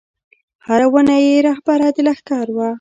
هره ونه یې رهبره د لښکر وه